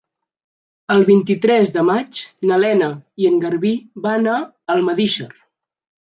El vint-i-tres de maig na Lena i en Garbí van a Almedíxer.